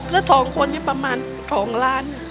ถ้า๒คนประมาณ๒ล้าน